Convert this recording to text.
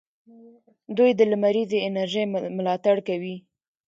دوی د لمریزې انرژۍ ملاتړ کوي.